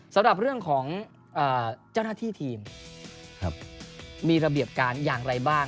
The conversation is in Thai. สำหรับเรื่องของเจ้าหน้าที่ทีมมีระเบียบการอย่างไรบ้าง